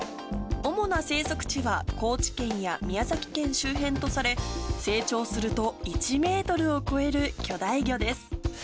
主な生息地は高知県や宮崎県周辺とされ、成長すると１メートルを超える巨大魚です。